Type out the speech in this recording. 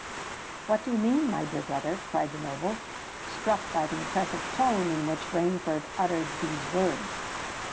"What do you mean, my dear brother?" cried the noble, struck by the impressive tone in which Rainford uttered these words.